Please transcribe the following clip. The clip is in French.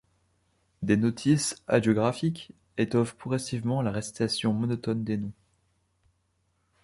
Des notices hagiographiques étoffent progressivement la récitation monotone des noms.